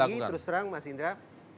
tadi pagi terus terang mas indra